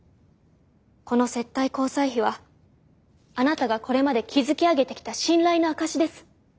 この接待交際費はあなたがこれまで築き上げてきた信頼の証しです。